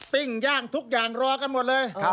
ปิ้งย่างทุกอย่างรอกันหมดเลย